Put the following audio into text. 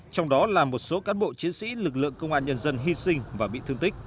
trong đó là một số cán bộ chiến sĩ lực lượng công an nhân dân hy sinh và bị thương tích